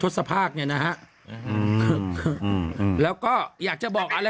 ก็อยากจะขอบคุณคนที่ให้กำลังใจครับพี่